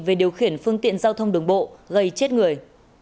về điều khiển phương tiện giao thông đường bộ gây chết người